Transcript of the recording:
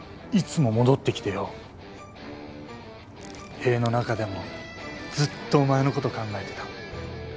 塀の中でもずっとお前のこと考えてた。